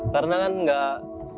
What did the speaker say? karena kan enggak